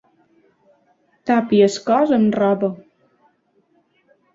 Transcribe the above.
Tapi el cos amb roba.